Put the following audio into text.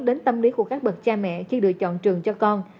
đến tâm lý của các bậc cha mẹ khi lựa chọn trường cho con